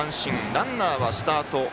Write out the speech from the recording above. ランナーはスタート。